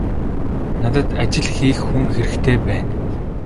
Надад ажил хийх хүн хэрэгтэй байна.